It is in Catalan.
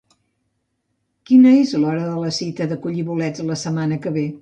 Quina és l'hora de la cita de collir bolets la setmana que ve?